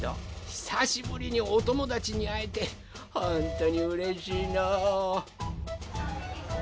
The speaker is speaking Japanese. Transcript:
ひさしぶりにおともだちにあえてほんとにうれしいのう。